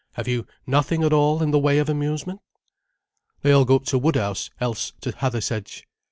"Have you nothing at all in the way of amusement?" "They all go up to Woodhouse, else to Hathersedge."